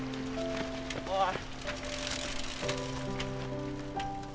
おい。